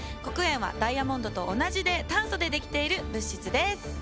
黒鉛はダイヤモンドと同じで炭素でできている物質です。